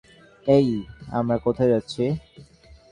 এই, আমরা কোথায় যাচ্ছি?